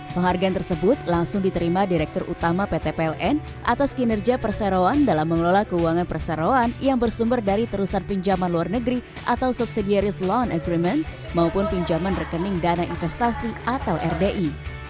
penghargaan tersebut langsung diterima direktur utama pt pln atas kinerja perseroan dalam mengelola keuangan perseroan yang bersumber dari terusan pinjaman luar negeri atau subsidiaries loan agreement maupun pinjaman rekening dana investasi atau rdi